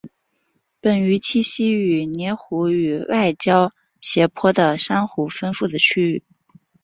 本鱼栖息在舄湖与外礁斜坡的珊瑚丰富的区域。